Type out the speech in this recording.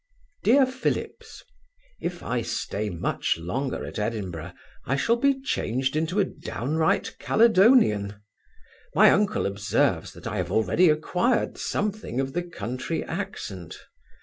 DEAR PHILLIPS, If I stay much longer at Edinburgh, I shall be changed into a downright Caledonian My uncle observes, that I have already acquired something of the country accent.